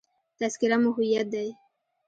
تذکره مو هویت دی.